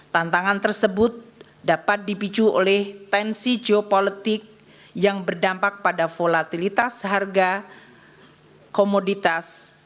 tantangan tersebut dapat dipicu oleh tensi geopolitik yang berdampak pada volatilitas harga komoditas